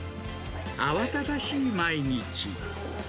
慌ただしい毎日。